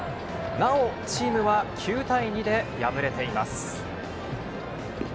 なお、チームは９対２で敗れています。